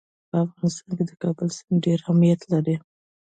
په افغانستان کې د کابل سیند ډېر اهمیت لري.